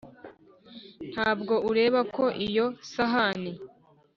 Nta bwo ureba ko iyo sahani,